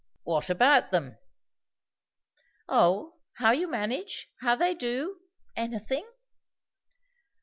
"What about them?" "O, how you manage; how they do; anything!"